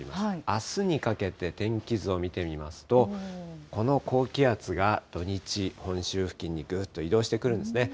あすにかけて天気図を見てみますと、この高気圧が土日、本州付近にぐっと移動してくるんですね。